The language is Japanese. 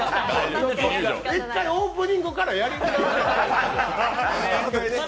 １回オープニングからやり直します？